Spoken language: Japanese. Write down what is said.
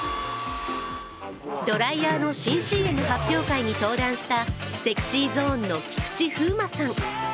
ドライヤーの新ＣＭ発表会に登壇したＳｅｘｙＺｏｎｅの菊池風磨さん